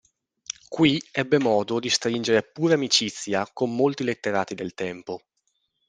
Qui, ebbe modo di stringere pure amicizia con molti letterati del tempo.